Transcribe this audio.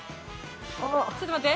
ちょっと待って。